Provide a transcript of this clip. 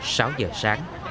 sáu giờ sáng